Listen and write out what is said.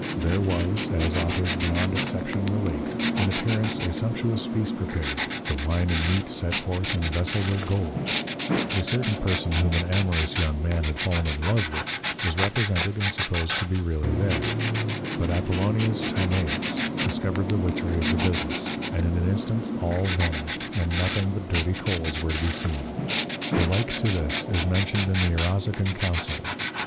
There was (as Authors beyond Exception relate) in appearance a sumptuous Feast prepared, the Wine and Meat set forth in Vessels of Gold; a certain Person whom an amorous young Man had fallen in Love with, was represented and supposed to be really there; but Apollonius Tyanæus discovered the Witchery of the Business, and in an instant all vanished, and nothing but dirty Coals were to be seen: The like to this is mentioned in the Arausican Council.